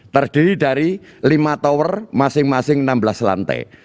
terdiri dari lima tower masing masing enam belas lantai